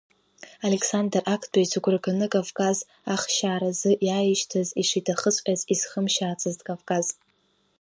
Александр Актәи, зыгәра ганы Кавказ ахшьааразы иааишьҭыз ишиҭахыҵәҟьаз изхымшьаацызт Кавказ.